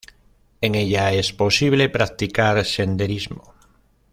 En ella es posible practicar senderismo.